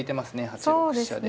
８六飛車で。